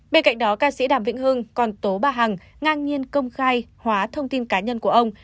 bên cạnh đó ca sĩ đàm vĩnh hưng còn tố bà hằng ngang nhiên công khai hóa thông tin cá nhân của ông